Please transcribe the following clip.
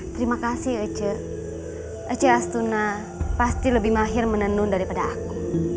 terima kasih ece astuna pasti lebih mahir menenun daripada aku